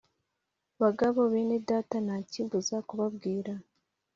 Bagabo bene data nta kimbuza kubabwira